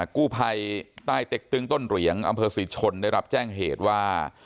กู้ภัยใต้เต็กตึงต้นเหรียงอำเภอศรีชนได้รับแจ้งเหตุว่า